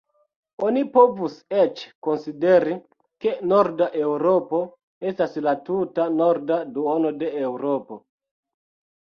Oni povus eĉ konsideri, ke norda Eŭropo estas la tuta norda duono de Eŭropo.